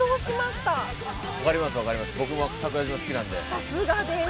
さすがです！